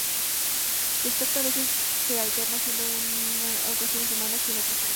Su aspecto a veces se alterna, siendo en ocasiones humana y en otras sirena.